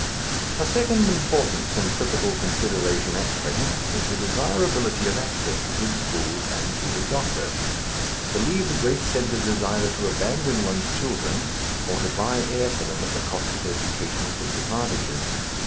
A second important centripetal consideration at present is the desirability of access to good schools and to the doctor. To leave the great centres is either to abandon one's children, or to buy air for them at the cost of educational disadvantages.